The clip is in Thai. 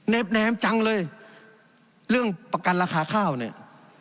แนมจังเลยเรื่องประกันราคาข้าวเนี่ย